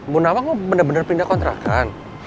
bunawang mau bener bener pindah kontrakan